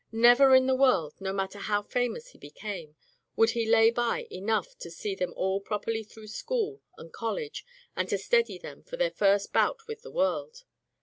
Never in the world, no matter how famous he became, would he lay by enough to see them all properly through school and college and to steady them for their first bout with the world.